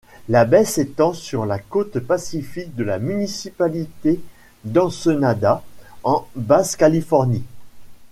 La baie s'étend sur la côte Pacifique de la municipalité d'Ensenada en Basse-Californie.